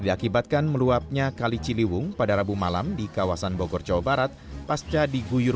diakibatkan meluapnya kali ciliwung pada rabu malam di kawasan bogor jawa barat pasca diguyur